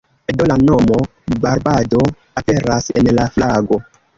Do la nomo "Barbado" aperas en la flago.